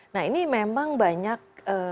nah ini memang banyak